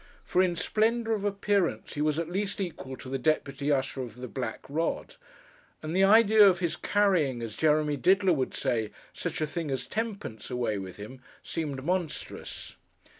For, in splendour of appearance, he was at least equal to the Deputy Usher of the Black Rod; and the idea of his carrying, as Jeremy Diddler would say, 'such a thing as tenpence' away with him, seemed monstrous.